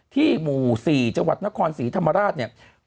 ที่หมู่๔จังหวัดนครศรีธรรมราช